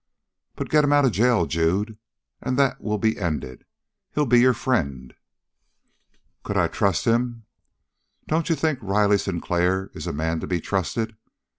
"But get him out of the jail, Jude, and that will be ended. He'll be your friend." "Could I trust him?" "Don't you think Riley Sinclair is a man to be trusted?"